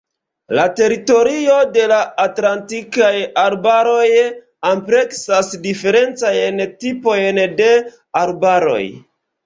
La teritorio de la Atlantikaj arbaroj ampleksas diferencajn tipojn de arbaroj.